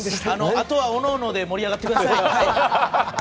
あとはおのおので盛り上がってください。